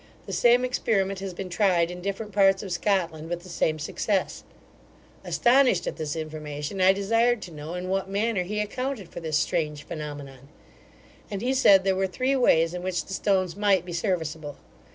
The same experiment has been tried in different parts of Scotland with the same success Astonished at this information, I desired to know in what manner he accounted for this strange phenomenon; and he said there were three ways in which the stones might be serviceable.